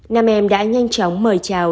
nam em đã nhanh chóng mời chào